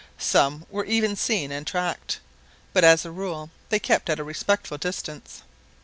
Some were even seen and tracked; but, as a rule, they kept at a respectful distance.